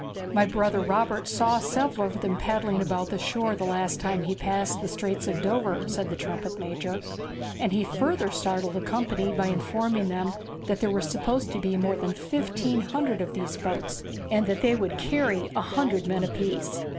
'My brother Robert saw several of them paddling about the shore the last time he passed the Straits of Dover,' said the trumpet major; and he further startled the company by informing them that there were supposed to be more than fifteen hundred of these boats, and that they would carry a hundred men apiece.